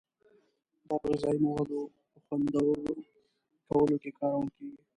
دا په غذایي موادو په خوندور کولو کې کارول کیږي.